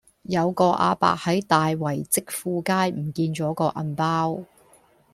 有個亞伯喺大圍積富街唔見左個銀包